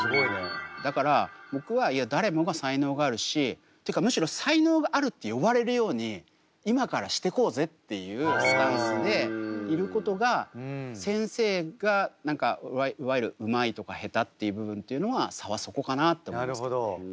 だから僕はいや誰もが才能があるしってかむしろ才能があるって言われるように今からしてこうぜっていうスタンスでいることが先生が何かいわゆるうまいとかへたっていう部分というのは差はそこかなって思いますけどね。